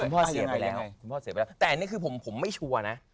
คุณพ่อเสียไปแล้วแต่อันนี้คือผมไม่ชัวร์นะ